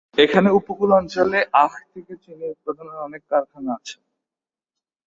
এখানে উপকূল অঞ্চলে আখ থেকে চিনি উৎপাদনের অনেক কারখানা আছে।